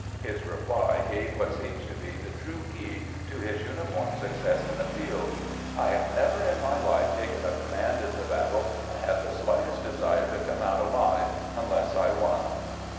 His reply gave what seems to be the true key to his uni form success on the field: "I have never in my life taken a command into battle, and had the slightest de sire to come out alive unless I won."